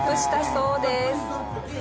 そうですね。